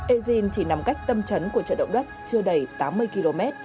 egin chỉ nằm cách tâm trấn của trận động đất chưa đầy tám mươi km